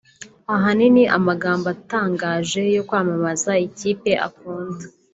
ahanini amagambo atangaje yo kwamamaza ikipe akunda